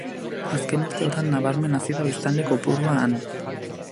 Azken urteotan nabarmen hazi da biztanle kopurua han.